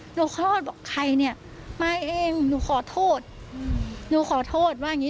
คลอดบอกใครเนี่ยมาเองหนูขอโทษหนูขอโทษว่าอย่างงี